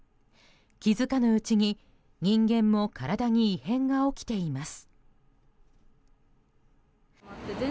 気づかぬうちに、人間も体に異変が起きています。